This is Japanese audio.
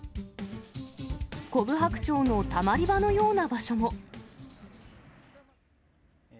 コブハクチョウのたまり場のような場所も。